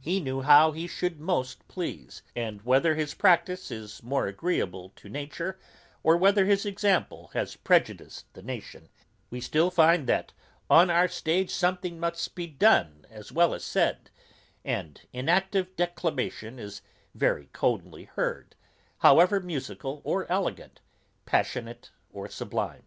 He knew how he should most please; and whether his practice is more agreeable to nature, or whether his example has prejudiced the nation, we still find that on our stage something must be done as well as said, and inactive declamation is very coldly heard, however musical or elegant, passionate or sublime.